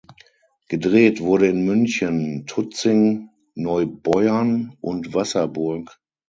Gedreht wurde in München, Tutzing, Neubeuern und Wasserburg.